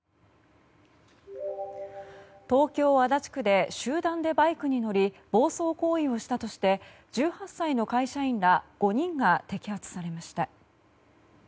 東京・足立区で集団でバイクに乗り暴走行為をしたとして１８歳の会社員ら５人が摘発されました。